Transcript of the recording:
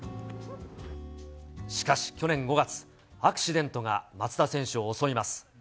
しかし、去年５月、アクシデントが松田選手を襲います。